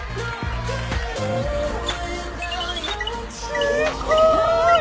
すごーい！